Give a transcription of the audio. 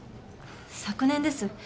昨年です。